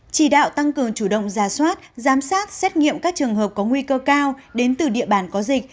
chỉ đạo tăng cường chủ động ra soát giám sát xét nghiệm các trường hợp có nguy cơ cao đến từ địa bàn có dịch